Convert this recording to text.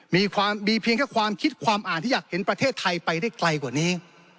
มีความมีเพียงแค่ความคิดความอ่านที่อยากเห็นประเทศไทยไปได้ไกลกว่านี้